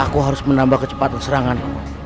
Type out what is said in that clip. aku harus menambah kecepatan serangan